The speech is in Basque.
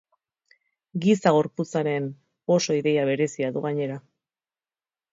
Giza gorputzaren oso ideia berezia du, gainera.